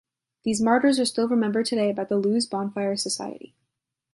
These martyrs are still remembered today by the Lewes Bonfire Society.